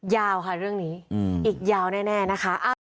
ยาวค่ะเรื่องนี้อีกยาวแน่นะคะ